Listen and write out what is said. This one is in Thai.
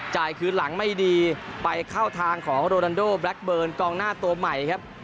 คืนหลังไม่ดีไปเข้าทางของโรนันโดแบล็คเบิร์นกองหน้าตัวใหม่ครับ